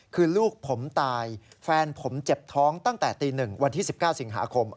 คือลูกผมตายแฟนผมเจ็บท้องตั้งแต่ตี๑วันที่๑๙สิงหาคม